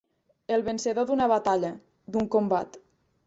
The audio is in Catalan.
El vencedor d'una batalla, d'un combat.